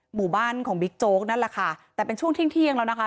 หมู่บ้านของบิ๊กโจ๊กนั่นแหละค่ะแต่เป็นช่วงเที่ยงเที่ยงแล้วนะคะ